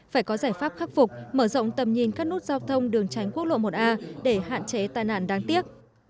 phải có giải pháp khắc phục mở rộng tầm nhìn các nút giao thông đường tránh quốc lộ một a để hạn chế tai nạn đáng tiếc